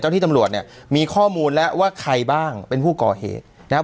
ที่ตำรวจเนี่ยมีข้อมูลแล้วว่าใครบ้างเป็นผู้ก่อเหตุนะครับ